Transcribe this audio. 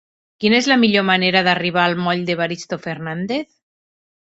Quina és la millor manera d'arribar al moll d'Evaristo Fernández?